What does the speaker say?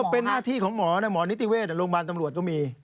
เป็นหน้าที่ของหมอนะหมอนิติเวชโรงพยาบาลตำรวจก็มี